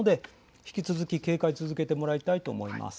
引き続き警戒を続けてもらいたいと思います。